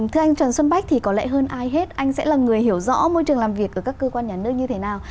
thưa anh trần xuân bách thì có lẽ hơn ai hết anh sẽ là người hiểu rõ môi trường làm việc ở các cơ quan nhà nước như thế nào